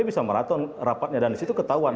bisa maraton rapatnya dan disitu ketahuan